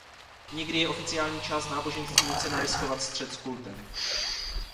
Někdy je oficiální část náboženství nucena riskovat střet s kultem.